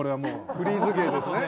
フリーズ芸ですね。